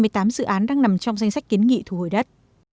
hai mươi tám dự án đang nằm trong danh sách kiến nghị thu hồi đất